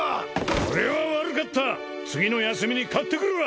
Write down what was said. これは悪かった次の休みに買ってくるわ！